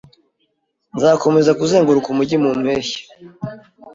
Nzakomeza kuzenguruka umujyi mu mpeshyi.